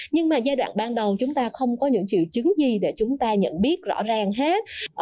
nhưng mà giai đoạn ban đầu chúng ta không có những triệu chứng gì để chúng ta nhận biết rõ ràng hết